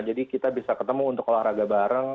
jadi kita bisa ketemu untuk olahraga bareng